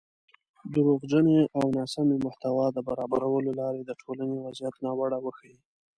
دروغجنې او ناسمې محتوا د برابرولو له لارې د ټولنۍ وضعیت ناوړه وښيي